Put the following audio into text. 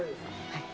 はい